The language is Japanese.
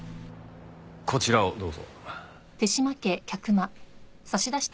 こちらをどうぞ。